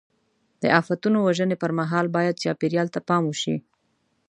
د آفتونو وژنې پر مهال باید چاپېریال ته پام وشي.